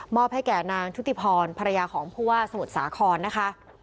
ให้แก่นางชุติพรภรรยาของผู้ว่าสมุทรสาครนะคะ